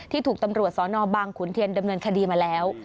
ถูกตำรวจสนบางขุนเทียนดำเนินคดีมาแล้ว